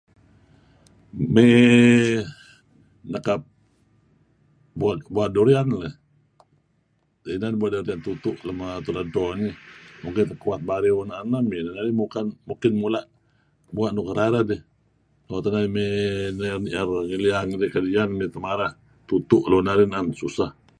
Nh nekap Bua' Durian leh. Inan b' tutu' lem dueh edto nih. Tak iyeh bariew mau narih nekap ken mula' bua' nk rareh dih. Doo' teh narih may nier liang-liang dih. Ian may temareh tutu' luh narih, tuseh.